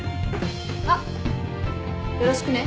あっよろしくね。